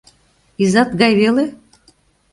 Изат гай веле?